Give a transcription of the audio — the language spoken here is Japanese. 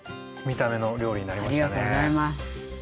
ありがとうございます。